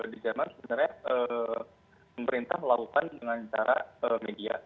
di jerman sebenarnya pemerintah melakukan dengan cara media